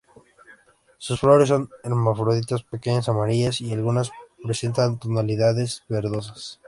Sus flores son hermafroditas, pequeñas, amarillas y algunas presentan tonalidades verdosas.